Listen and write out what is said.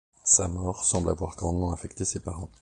Sa mort semble avoir grandement affecté ses parents.